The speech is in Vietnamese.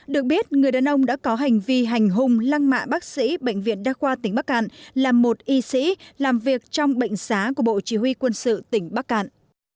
được biết người đàn ông đã có hành vi hành hùng lăng mạ bác sĩ bệnh viện đa khoa tỉnh bắc cạn làm một y sĩ làm việc trong bệnh xá của bộ chỉ huy quân sự tỉnh bắc cạn